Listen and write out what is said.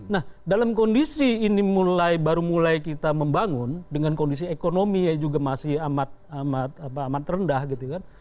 nah dalam kondisi ini baru mulai kita membangun dengan kondisi ekonomi yang juga masih amat rendah gitu kan